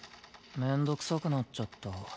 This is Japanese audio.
面倒くさくなっちゃった。